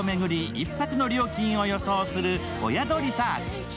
１泊の料金を予想する「お宿リサーチ」。